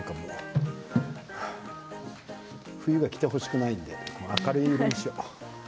冬が来てほしくないので明るい色にしよう。